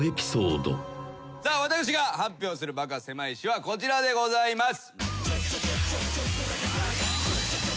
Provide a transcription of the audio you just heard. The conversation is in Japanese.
私が発表するバカせまい史はこちらでございます。